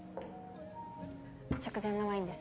食前のワインです。